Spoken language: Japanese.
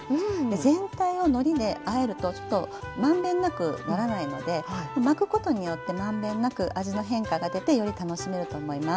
全体をのりであえると満遍なくならないので巻くことによって満遍なく味の変化が出てより楽しめると思います。